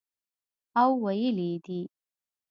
او ویلي یې دي